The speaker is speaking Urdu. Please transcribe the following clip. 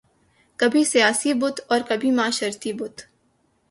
کبھی سیاسی بت اور کبھی معاشرتی بت